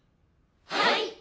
はい！